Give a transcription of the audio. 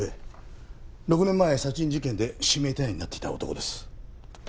６年前殺人事件で指名手配になっていた男です。